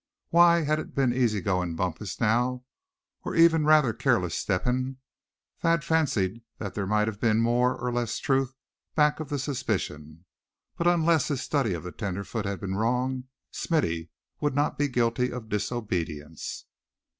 Why, had it been easy going Bumpus now, or even rather careless Step hen, Thad fancied that there might have been more or less truth back of the suspicion; but unless his study of the tenderfoot had been wrong, Smithy would not be guilty of disobedience.